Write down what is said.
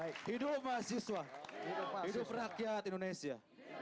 hidup mahasiswa hidup rakyat indonesia